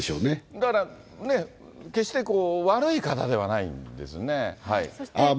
だからね、決して悪い方ではないんですね。